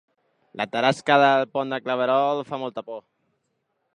La tarasca del Pont de Claverol fa molta por